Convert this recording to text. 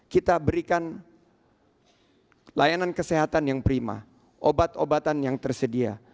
kita berikan layanan kesehatan yang prima obat obatan yang tersedia